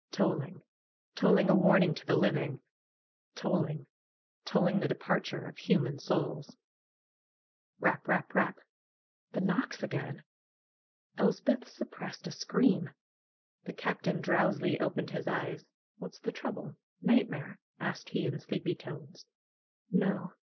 Tolling ! Tolling a warning to the living ! Tolling ! Tolling the departure of hu man souls ! Rap ! Rap ! Rap ! The knocks again ! Elspeth suppressed a scream. The Captain drowsily opened his eyes. What's the trouble? Nightmare?" asked he in sleepy tones. ''No!